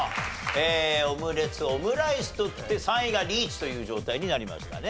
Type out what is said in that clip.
オムレツオムライスときて３位がリーチという状態になりましたね。